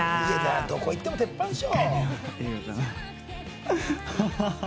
どこ行っても鉄板でしょ。